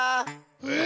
え！